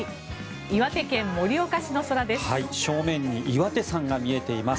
岩手県盛岡市の空です。